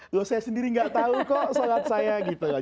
loh saya sendiri nggak tahu kok sholat saya gitu loh